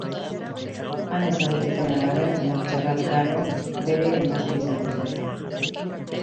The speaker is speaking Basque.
Han ezagutu zuen halaber, Montserrat Garro, bere emazte izango zena.